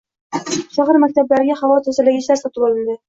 shahar maktablariga havo tozalagichlar sotib olindi.